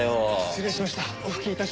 失礼しました。